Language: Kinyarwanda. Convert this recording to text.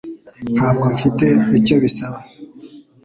Ntabwo mfite icyo bisaba